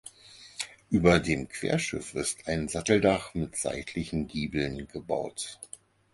Über dem Querschiff ist ein Satteldach mit seitlichen Giebeln gebaut.